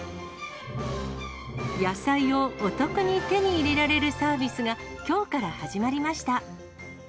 野菜をお得に手に入れられるサービスがきょうから始まりました。